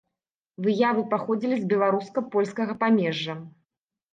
Выявы паходзілі з беларуска-польскага памежжа.